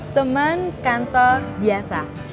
temen kantor biasa